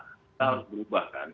kita harus berubah kan